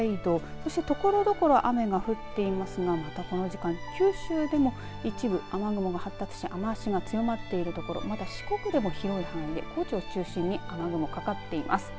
そして、ところどころ雨が降っていますがまた、この時間の九州でも一部雨雲が発達し雨足が強まっている所また四国でも広い範囲で高知を中心に雨雲がかかっています。